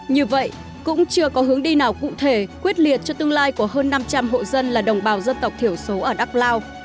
như vậy cũng chưa có hướng đi nào cụ thể quyết liệt cho tương lai của hơn năm trăm linh hộ dân là đồng bào dân tộc thiểu số ở đắk lao